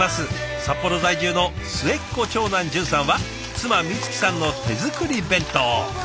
札幌在住の末っ子長男淳さんは妻美月さんの手作り弁当。